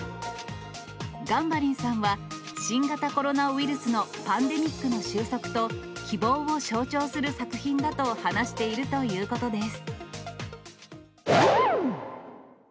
ガンバリンさんは、新型コロナウイルスのパンデミックの終息と希望を象徴する作品だと話しているということです。